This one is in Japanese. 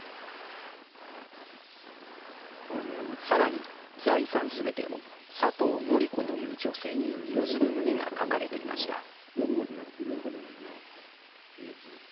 さらに、財産すべてを佐藤宣子という女性に譲る旨が書かれていました。